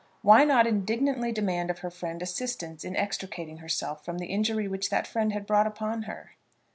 Why not indignantly demand of her friend assistance in extricating herself from the injury which that friend had brought upon her?